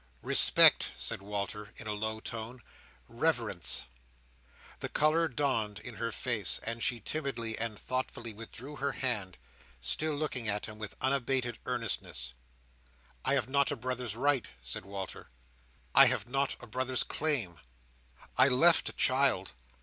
"Respect," said Walter, in a low tone. "Reverence." The colour dawned in her face, and she timidly and thoughtfully withdrew her hand; still looking at him with unabated earnestness. "I have not a brother's right," said Walter. "I have not a brother's claim. I left a child.